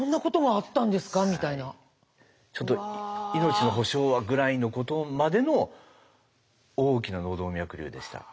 命の保証はぐらいのことまでの大きな脳動脈瘤でした。